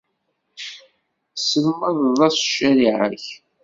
Tesselmadeḍ-as ccariɛa-k.